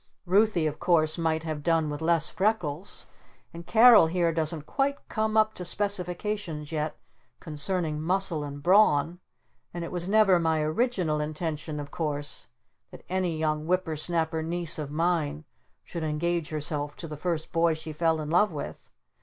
Ruthy of course might have done with less freckles, and Carol here doesn't quite come up to specifications yet concerning muscle and brawn and it was never my original intention of course that any young whipper snapper niece of mine should engage herself to the first boy she fell in love with.